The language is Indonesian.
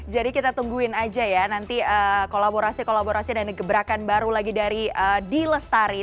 jadi kita tungguin aja ya nanti kolaborasi kolaborasi dan gebrakan baru lagi dari di lestari